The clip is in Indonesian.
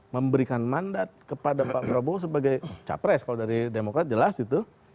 memberikan mandat kepada pak prabowo sebagai capres kalau dari demokrat jelas itu